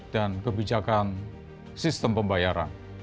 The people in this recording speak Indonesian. dan kebijakan sistem pembayaran